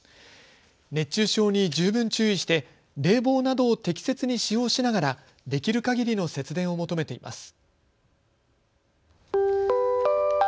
熱中症に十分注意して冷房などを適切に使用しながらできるかぎりの節電を求めています。